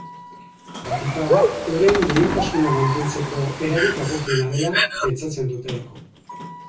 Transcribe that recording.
Batik bat, euren duintasuna mantentzeko erarik egokiena dela pentsatzen dutelako.